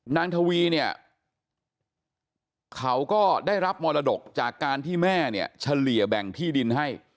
ทวีเนี่ยเขาก็ได้รับมรดกจากการที่แม่เนี่ยเฉลี่ยแบ่งที่ดินให้